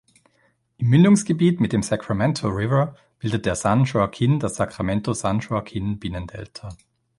Im Mündungsgebiet mit dem Sacramento River bildet der San Joaquin das Sacramento-San Joaquin Binnendelta.